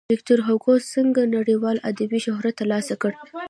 ویکتور هوګو څنګه نړیوال ادبي شهرت ترلاسه کړ.